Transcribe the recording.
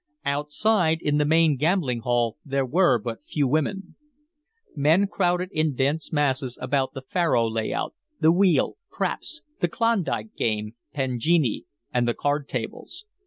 Outside in the main gambling room there were but few women. Men crowded in dense masses about the faro lay out, the wheel, craps, the Klondike game, pangingi, and the card tables.